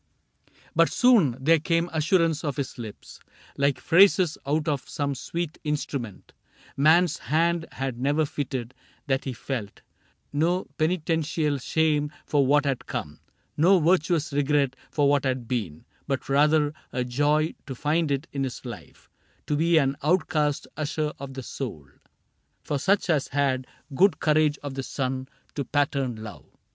4 CAPTAIN CRAIG But soon there came assurance of his lips, Like phrases out of some sweet instrument Man's hand had never fitted, that he felt " No penitential shame for what had come, No virtuous regret for what had been, — But rather a joy to find it in his life To be an outcast usher of the soul For such as had good courage of the Sun To pattern Love."